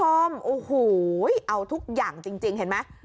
โอ้โหเอาทุกอย่างจริงเห็นไหม